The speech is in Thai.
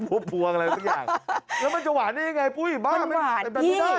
มะเขือพวงอะไรสักอย่างแล้วมันจะหวานได้ยังไงปุ๊บมะมันไม่ได้